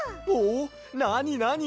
なになに？